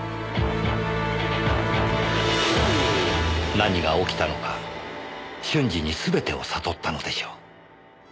何が起きたのか瞬時にすべてを悟ったのでしょう。